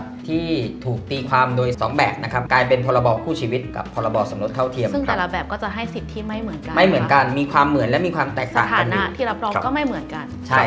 พี่ปุ่นครับเมื่อเราพูดถึงถนธนความหลากหลาย